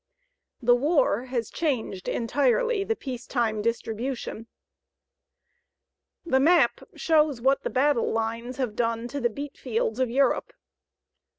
The war has changed entirely the peace time distribution. The map shows what the battle lines have done to the beetfields of Europe.